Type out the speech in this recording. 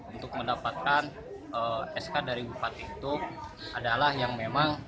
untuk mendapatkan sk dari bupati itu adalah yang memang